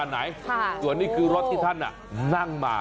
จากนี้รถที่ท่านนั่งมา